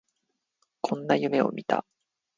こんな夢を見た